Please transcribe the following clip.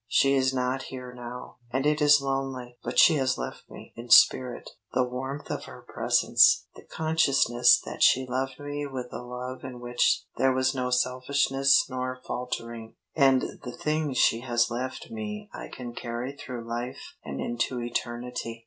She is not here now, and it is lonely, but she has left me, in spirit, the warmth of her presence, the consciousness that she loved me with a love in which there was no selfishness nor faltering, and the things she has left me I can carry through life and into eternity."